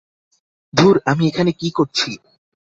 ধুর, আমি এখানে কি করছি?